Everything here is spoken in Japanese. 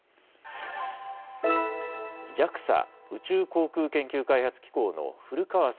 ＪＡＸＡ・宇宙航空研究開発機構の古川聡